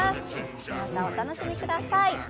皆さんお楽しみください。